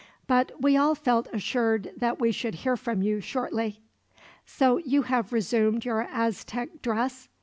But we all felt assured that we should hear from you, shortly. "So, you have resumed your Aztec dress?"